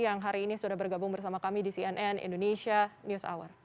yang hari ini sudah bergabung bersama kami di cnn indonesia news hour